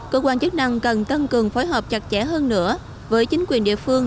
cơ quan chức năng cần tăng cường phối hợp chặt chẽ hơn nữa với chính quyền địa phương